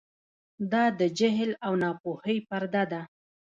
دا د جهل او ناپوهۍ پرده ده.